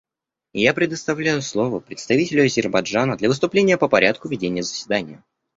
Я предоставляю слово представителю Азербайджана для выступления по порядку ведения заседания.